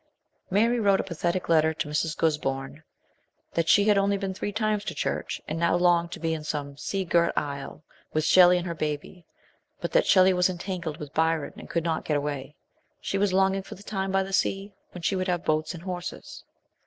Mary wrote a pathetic letter to Mrs. Gisborne that she had only been three times to church, and now longed to be in some sea girt isle with Shelley and her baby, but that Shelley was entangled with Byron and could not get away. She was longing for the time by the sea when she would have boats and horses.